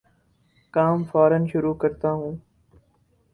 کام فورا شروع کرتا ہوں